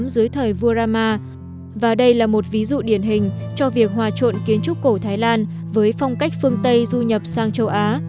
dưới thời vuarama và đây là một ví dụ điển hình cho việc hòa trộn kiến trúc cổ thái lan với phong cách phương tây du nhập sang châu á